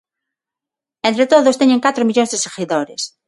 Entre todos teñen catro millóns de seguidores.